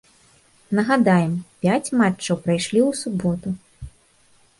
Нагадаем, пяць матчаў прайшлі ў суботу.